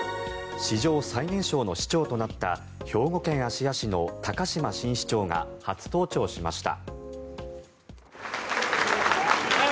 史上最年少の市長となった兵庫県芦屋市の高島新市長が初登庁しました。